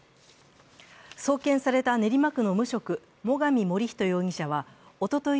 送検された練馬区の無職最上守人容疑者はおととい